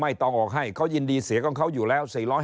ต้องออกให้เขายินดีเสียของเขาอยู่แล้ว๔๕